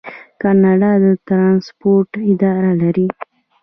کاناډا د ټرانسپورټ اداره لري.